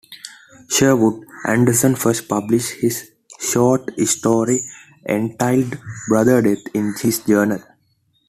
Sherwood Anderson first published his short story entitled "Brother Death" in this journal.